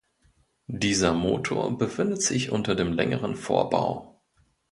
Dieser Motor befindet sich unter dem längeren Vorbau.